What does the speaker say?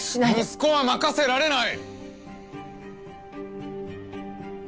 息子は任せられない！